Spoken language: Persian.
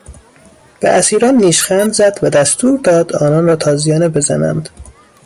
به اسیران نیشخند زد و دستور داد آنان را تازیانه بزنند.